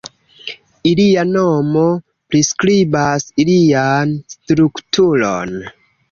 Ilia nomo priskribas ilian strukturon.